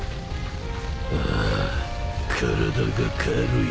ああ体が軽い。